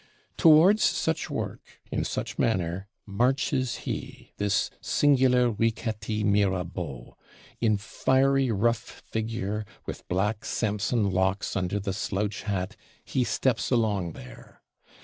Towards such work, in such manner, marches he, this singular Riquetti Mirabeau. In fiery rough figure, with black Samson locks under the slouch hat, he steps along there.